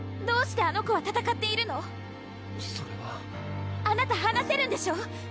どうしてあの子は戦っているの⁉それはあなた話せるんでしょう